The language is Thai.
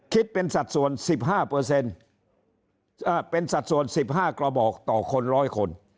คิดเป็นสัดส่วน๑๕กระบอกต่อคน๑๐๐คน